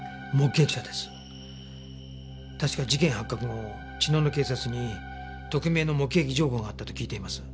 確か事件発覚後茅野の警察に匿名の目撃情報があったと聞いています。